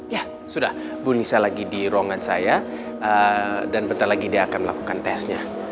ya sudah bu nisa lagi di ruangan saya dan bentar lagi dia akan melakukan tesnya